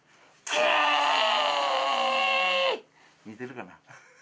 似てるかな？